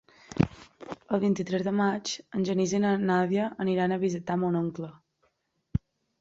El vint-i-tres de maig en Genís i na Nàdia aniran a visitar mon oncle.